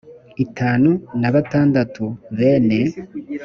itanu na batandatu bene